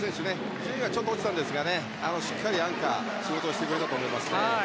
順位はちょっと落ちたんですがしっかりアンカー務めてくれたと思いますね。